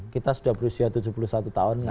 kita sudah berusia tujuh puluh satu tahun